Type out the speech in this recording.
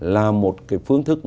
là một cái phương thức